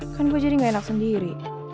kan gue jadi gak enak sendiri